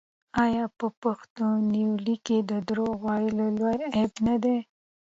آیا په پښتونولۍ کې دروغ ویل لوی عیب نه دی؟